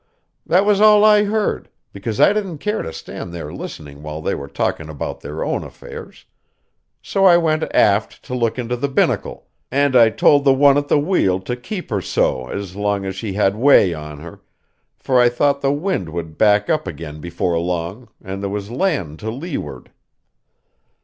That was all I heard, because I didn't care to stand there listening while they were talking about their own affairs; so I went aft to look into the binnacle, and I told the one at the wheel to keep her so as long as she had way on her, for I thought the wind would back up again before long, and there was land to leeward.